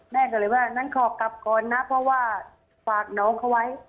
แม่ก็เลยว่างั้นขอกลับก่อนนะเพราะว่าฝากน้องเขาไว้